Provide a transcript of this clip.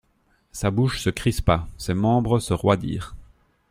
Sa bouche se crispa ; ses membres se roidirent.